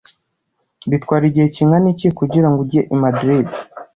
Bitwara igihe kingana iki kugira ngo ujye i Madrid?